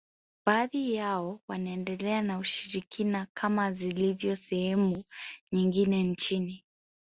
Baadhi yao wanaendelea na ushirikina kama zilivyo sehemu nyingine nchini